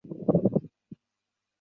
他们使用了重叠的窗口。